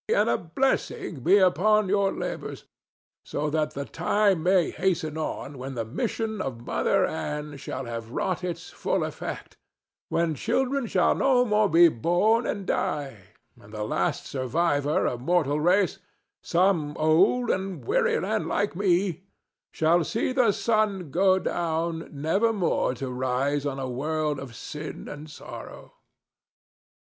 And a blessing be upon your labors; so that the time may hasten on when the mission of Mother Ann shall have wrought its full effect, when children shall no more be born and die, and the last survivor of mortal race—some old and weary man like me—shall see the sun go down nevermore to rise on a world of sin and sorrow."